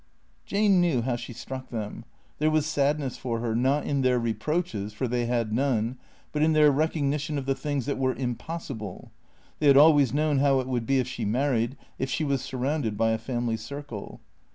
Jane knew how she struck them. There was sadness for her, not in their reproaches, for they had none, but in their recogni tion of the things that were impossible. They had always known how it would be if she married, if she was surrounded by a family circle.